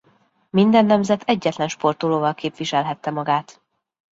Minden nemzet egyetlen sportolóval képviselhette magát.